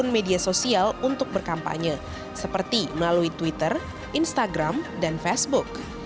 media sosial untuk berkampanye seperti melalui twitter instagram dan facebook